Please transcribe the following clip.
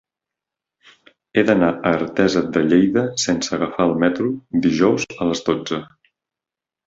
He d'anar a Artesa de Lleida sense agafar el metro dijous a les dotze.